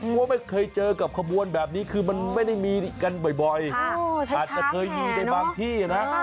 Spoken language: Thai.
เพราะว่าไม่เคยเจอกับขบวนแบบนี้คือมันไม่ได้มีกันบ่อยอาจจะเคยมีในบางที่นะ